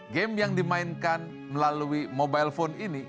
game yang dimainkan melalui mobile phone ini